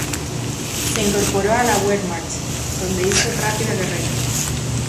Se incorporó a la Wehrmacht donde hizo rápida carrera.